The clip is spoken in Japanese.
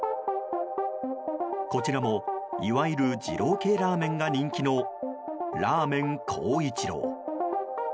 こちらもいわゆる二郎系ラーメンが人気のらーめん孝一郎。